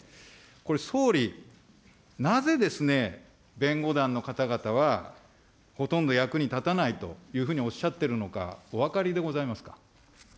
これ総理、なぜですね、弁護団の方々は、ほとんど役に立たないというふうにおっしゃっているのか、お分かりでございますか。